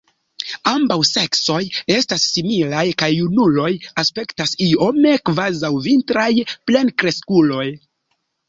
Ambaŭ seksoj estas similaj kaj junuloj aspektas iome kvazaŭ vintraj plenkreskuloj.